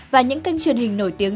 và những kênh truyền hình nổi tiếng